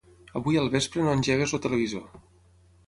Avui al vespre no engeguis el televisor.